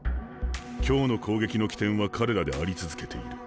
今日の攻撃の起点は彼らであり続けている。